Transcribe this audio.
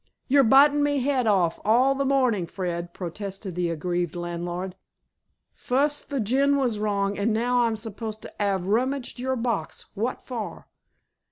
"You're bitin' me 'ead off all the mornin', Fred," protested the aggrieved landlord. "Fust, the gin was wrong, an' now I'm supposed to 'ave rummidged yur box. Wot for?"